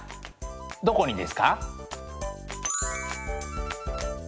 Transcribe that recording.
どこにですか？